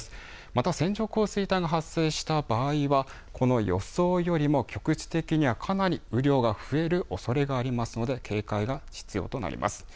また、線状降水帯が発生した場合は、この予想よりも局地的にはかなり雨量が増えるおそれがありますので、警戒が必要となります。